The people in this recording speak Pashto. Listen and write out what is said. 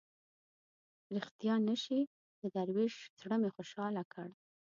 ریښتیا نه شي د دروېش زړه مې خوشاله کړ.